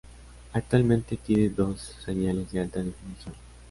Actualmente tiene dos señales de alta definición.